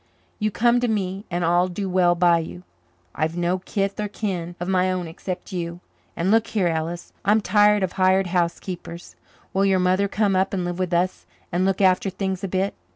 You come to me and I'll do well by you. I've no kith or kin of my own except you. And look here, Ellis. I'm tired of hired housekeepers. Will your mother come up and live with us and look after things a bit?